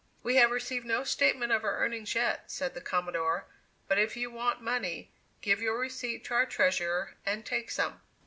"We have received no statement of her earnings yet," said the Commodore, "but if you want money, give your receipt to our treasurer, and take some."